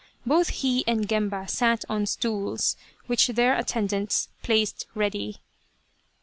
Both he and Gemba sat on stools, which their attendants placed ready.